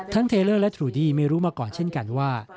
เทเลอร์และทรูดี้ไม่รู้มาก่อนเช่นกันว่า